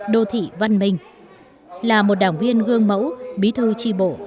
đô thị văn minh là một đảng viên gương mẫu bí thư tri bộ